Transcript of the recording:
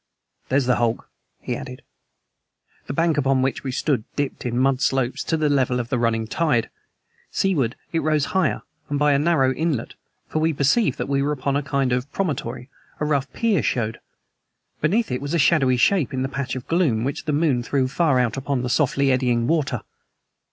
"There's the hulk," he added. The bank upon which we stood dipped in mud slopes to the level of the running tide. Seaward it rose higher, and by a narrow inlet for we perceived that we were upon a kind of promontory a rough pier showed. Beneath it was a shadowy shape in the patch of gloom which the moon threw far out upon the softly eddying water.